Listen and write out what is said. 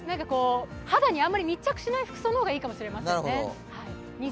肌にあんまり密着しない服装の方がいいかもしれませんね。